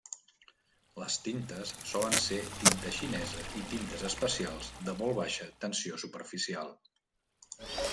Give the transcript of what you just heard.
Les tintes solen ser tinta xinesa i tintes especials de molt baixa tensió superficial.